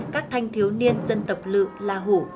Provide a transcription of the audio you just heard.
các thanh thiếu niên dân tộc lự la hủ